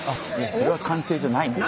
それは完成じゃないよ。